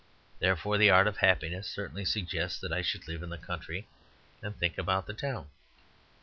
Therefore the art of happiness certainly suggests that I should live in the country and think about the town.